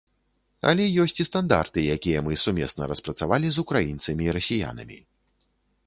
Але ёсць і стандарты, якія мы сумесна распрацавалі з украінцамі і расіянамі.